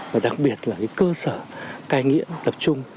và đặc biệt là cơ sở cai nghiện tập trung